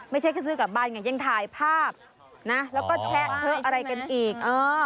ไม่ใช่แค่ซื้อกลับบ้านไงยังถ่ายภาพนะแล้วก็แชะเชอะอะไรกันอีก